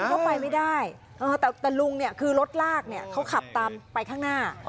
เข้าไปไม่ได้แต่ลุงคือรถลากเขาขับตามไปข้างหน้า